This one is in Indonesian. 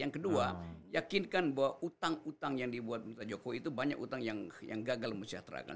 yang kedua yakinkan bahwa utang utang yang dibuat pemerintah jokowi itu banyak utang yang gagal mesejahterakan